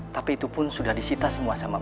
tapi itu pun sudah disita semua sama